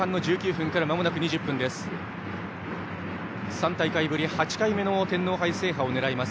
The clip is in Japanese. ３大会ぶり８回目の天皇杯制覇を狙います